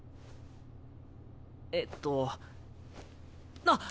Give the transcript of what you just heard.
えっとあっ！